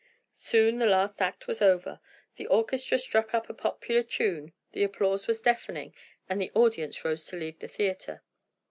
Soon the last act was over, the orchestra struck up a popular tune, the applause was deafening, and the audience rose to leave the theatre.